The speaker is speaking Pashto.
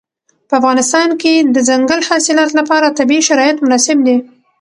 په افغانستان کې د دځنګل حاصلات لپاره طبیعي شرایط مناسب دي.